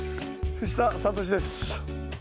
藤田智です。